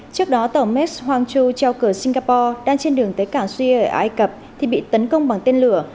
trước đó tàu mecs hoang chu treo cửa singapore đang trên đường tới cảng syria ở ai cập thì bị tấn công bằng tên lửa